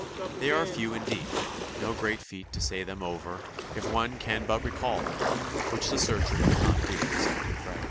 They are few indeed: no great feat to say them over if one can but recall them, which the searcher could not do except in fragments.